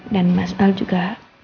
dan mas al juga